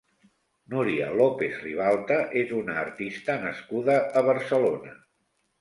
Núria López-Ribalta és una artista nascuda a Barcelona.